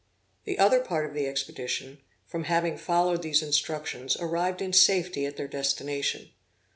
The other part of the expedition, from having followed these instructions arrived in safety at their destination.